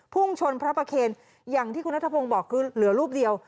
พุ่งชนพระประเคนอย่างที่คุณนัทพงศ์บอกคือเหลือรูปเดียว